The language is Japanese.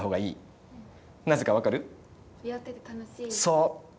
そう！